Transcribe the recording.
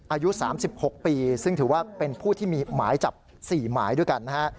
อายุ๓๖ปีซึ่งถือว่าเป็นผู้ที่มีหมายจับ๔หมายด้วยกันนะฮะ